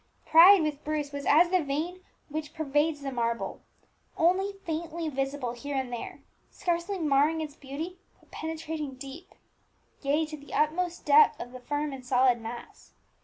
Pride, with Bruce, was as the vein which pervades the marble, only faintly visible here and there, scarcely marring its beauty, but penetrating deep, yea, to the utmost depth of the firm and solid mass.